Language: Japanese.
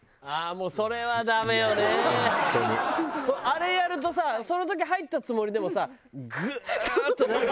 あれやるとさその時入ったつもりでもさグーッとなんかさ。